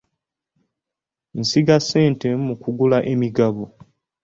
Nsiga ssente mu kugula emigabo.